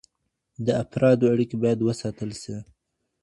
د افرادو اړیکي باید وساتل سي.